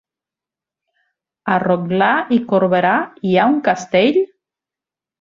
A Rotglà i Corberà hi ha un castell?